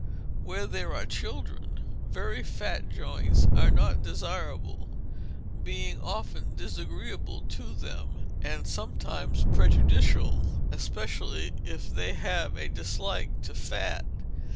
Where there are children, very fat joints are not desirable, being often disagreeable to them, and sometimes prejudicial, especially if they have a dislike to fat.